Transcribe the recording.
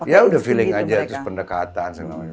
ya udah feeling aja terus pendekatan segala macam